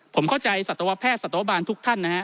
ผมเข้าใจสัตวแพทย์สัตวบาลทุกท่านนะฮะ